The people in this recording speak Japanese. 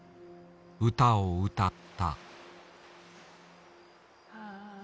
歌を歌った。